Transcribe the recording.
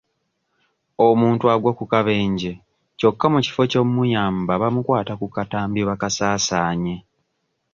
Omuntu agwa ku kabenje kyokka mu kifo ky'omuyamba bamukwata ku katambi bakasaasaanye.